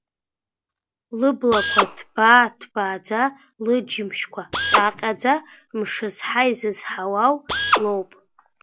Лыблақәа ҭбаа-ҭбааӡа, лыџьымшьқәа ҟьаҟьаӡа, мшызҳа изызҳауа лоуп.